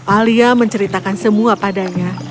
alia menceritakan semua padanya